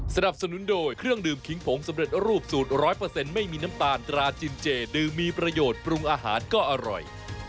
สนับสนุนโดยเครื่องดื่มขิงผงสำเร็จรูปสูตร๑๐๐ไม่มีน้ำตาลตราจินเจดื่มมีประโยชน์ปรุงอาหารก็อร่อย